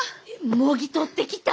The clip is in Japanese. もぎ取ってきた！